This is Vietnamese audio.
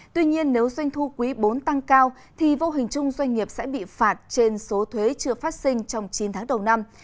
tuy nhiên nếu doanh thu quý bốn tăng cao thì vô hình chung doanh nghiệp sẽ bị phạt trên số thuế chưa phát sinh trong chín tháng đầu năm